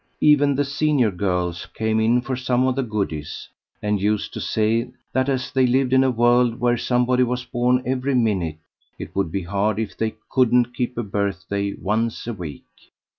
Even the senior girls came in for some of the goodies, and used to say that, as they lived in a world where somebody was born every minute, it would be hard if they couldn't keep a birthday once a week.